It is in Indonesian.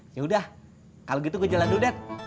yaudah kalo gitu gua jalan dulu dad